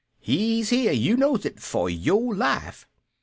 He's here, you knows it, for your life.